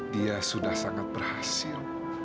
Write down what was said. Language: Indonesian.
dia sudah sangat berhasil